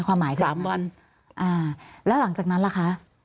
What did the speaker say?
ความหมายถึงแบบแบบนั้นอ่าแล้วหลังจากนั้นละคะ